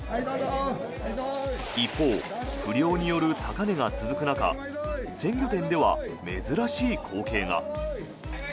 一方、不漁による高値が続く中鮮魚店では珍しい光景が。